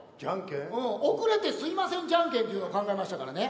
遅れてすいませんジャンケンっていうのを考えましたからね。